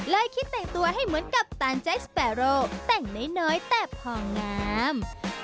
คิดแต่งตัวให้เหมือนกับตานใจสเปโร่แต่งน้อยแต่พองาม